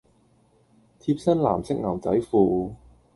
貼身藍色牛仔褲